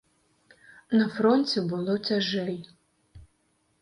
На фронце было цяжэй.